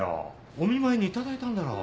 お見舞いに頂いたんだろう？